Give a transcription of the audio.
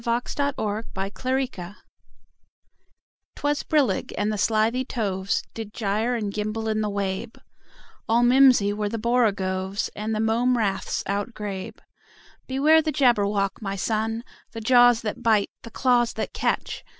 Lewis Carroll Jabberwocky 'TWAS brillig, and the slithy toves Did gyre and gimble in the wabe: All mimsy were the borogoves, And the mome raths outgrabe. "Beware the Jabberwock, my son! The jaws that bite, the claws that catch!